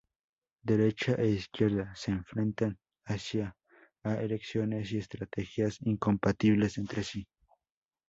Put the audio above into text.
Derecha e izquierda se enfrentan así a elecciones y estrategias incompatibles entre sí.